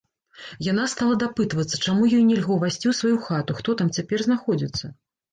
Яна стала дапытвацца, чаму ёй нельга ўвайсці ў сваю хату, хто там цяпер знаходзіцца.